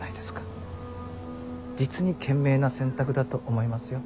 実に賢明な選択だと思いますよ。